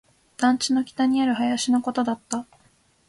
団地の北にある林のことだった